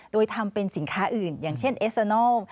โดยทำเป็นสินค้าอื่นอย่างเช่นเอสเตอร์นอล